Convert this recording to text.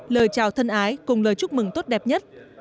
lời chào thân ái cùng lời chúc mừng tốt đẹp nhất